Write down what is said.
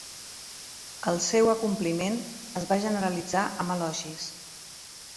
El seu acompliment es va generalitzar amb elogis.